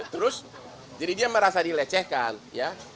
terus jadi dia merasa dilecehkan ya